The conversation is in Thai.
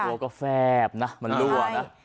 บางคนก็แฟบนะมันรั่วนะ